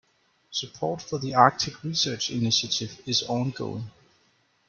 Support for the Arctic Research Initiative is ongoing.